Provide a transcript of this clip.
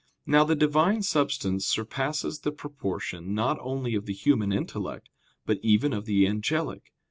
Now the Divine substance surpasses the proportion not only of the human intellect, but even of the angelic.